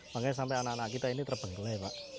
makanya sampai anak anak kita ini terbengkelai pak